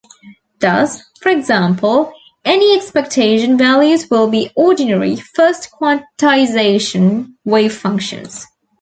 Thus, for example, any expectation values will be ordinary first-quantization wavefunctions.